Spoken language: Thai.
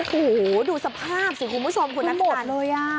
โอ้โหดูสภาพสิทธิ์คุณผู้ชมคุณนักการคือหมดเลยอ่ะ